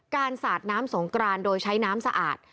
สาดน้ำสงกรานโดยใช้น้ำสะอาด